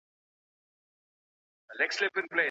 په قلم خط لیکل پر نورو د تکیې مخه نیسي.